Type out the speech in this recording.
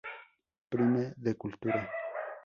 Prime de Cultura.